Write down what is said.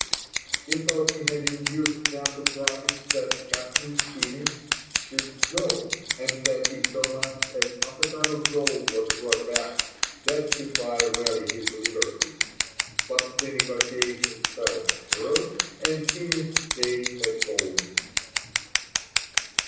He thought he had induced them to promise that Captain Keymis should go, and that if so much as half a ton of gold was brought back, that should buy Raleigh his liberty. But the negotiations fell through, and Keymis stayed at home.